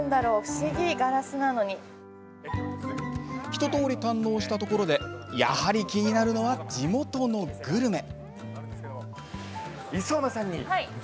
一とおり堪能したところでやはり気になるのは地元のグルメ。